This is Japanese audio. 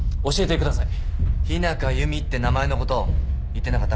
日中弓って名前のこと言ってなかった？